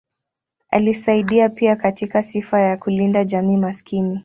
Alisaidia pia katika sifa ya kulinda jamii maskini.